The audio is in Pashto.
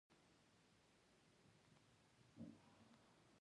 افغانستان د بادي انرژي په اړه ګڼې علمي څېړنې لري.